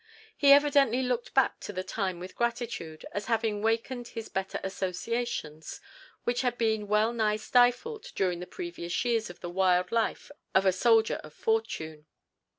He evidently looked back to the time with gratitude, as having wakened his better associations, which had been well nigh stifled during the previous years of the wild life of a soldier of fortune.